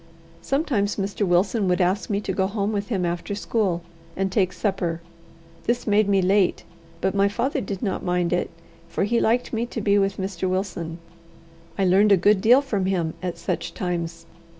Sometimes Mr. Wilson would ask me to go home with him after school, and take supper. This made me late, but my father did not mind it, for he liked me to be with Mr. Wilson. I learned a good deal from him at such times.